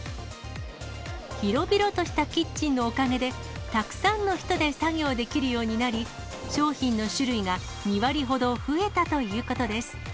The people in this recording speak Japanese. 広々としたキッチンのおかげで、たくさんの人で作業できるようになり、商品の種類が２割ほど増えたということです。